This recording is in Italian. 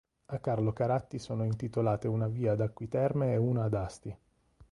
A Carlo Caratti sono intitolate una via ad Acqui Terme e una ad Asti.